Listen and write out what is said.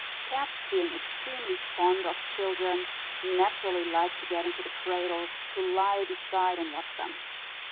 Cats, being extremely fond of children, naturally like to get into the cradle, to lie beside, and watch them.